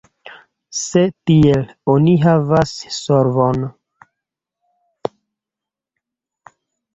Se tiel, oni havas solvon.